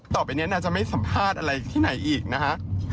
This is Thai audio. ต่อไปนี้น่าจะไม่สัมภาษณ์อะไรที่ไหนอีกนะคะ